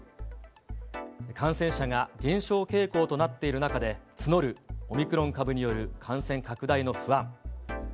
感染者が減少傾向となっている中で、募るオミクロン株による感染拡大の不安。